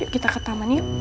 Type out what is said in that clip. kita ke taman yuk